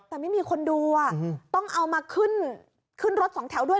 แต่ไม่มีคนดูอ่ะอืมต้องเอามาขึ้นขึ้นรถสองแถวด้วย